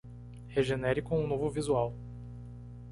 Regenere com um novo visual